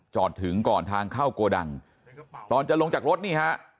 จอดถึงก่อนทางเข้าโกดังตอนจะลงจากรถนี่ฮะ